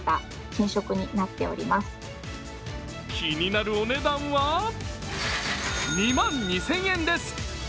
気になるお値段は、２万２０００円です。